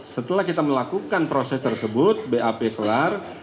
setelah kita melakukan proses tersebut bap kelar